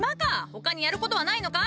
他にやることはないのか！